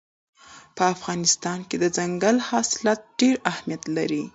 په افغانستان کې دځنګل حاصلات ډېر اهمیت لري.